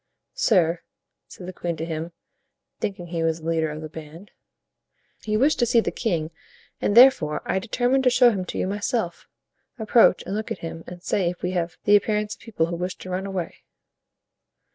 "Sir," said the queen to him, thinking he was the leader of the band, "you wished to see the king and therefore I determined to show him to you myself. Approach and look at him and say if we have the appearance of people who wish to run away."